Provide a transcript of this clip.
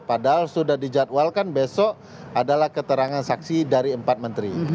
padahal sudah dijadwalkan besok adalah keterangan saksi dari empat menteri